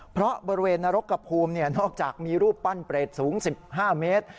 เพราะบริเวณนรกกระภูมินอกจากมีรูปปั้นเปรตสูง๑๕เมตร